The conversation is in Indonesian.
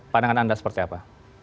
pandangan anda seperti apa